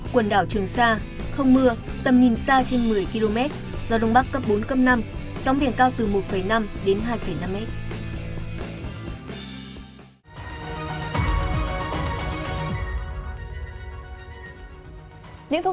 quần đảo trường sa không mưa tầm nhìn xa trên một mươi km gió đông bắc cấp bốn cấp năm sóng biển cao từ một năm đến hai năm mét